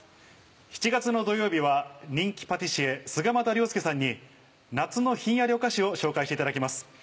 ７月の土曜日は人気パティシエ菅又亮輔さんに夏のひんやりお菓子を紹介していただきます。